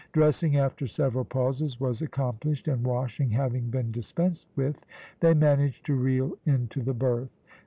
Dressing, after several pauses, was accomplished, and washing having been dispensed with, they managed to reel into the berth.